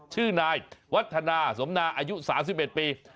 ชื่อนายวัฒนาสมนาอายุ๓๑ปี